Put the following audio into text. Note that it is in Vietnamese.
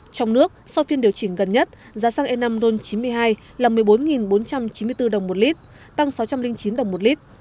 trong nước sau phiên điều chỉnh gần nhất giá xăng e năm ron chín mươi hai là một mươi bốn bốn trăm chín mươi bốn đồng một lít tăng sáu trăm linh chín đồng một lít